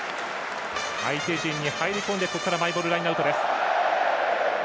相手陣に入り込んでここからマイボールラインアウトです。